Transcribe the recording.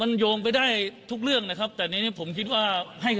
มันโยงไปได้ทุกเรื่องนะครับแต่ในนี้ผมคิดว่าให้